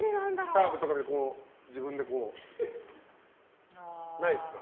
サーブとかで自分でこうないですか？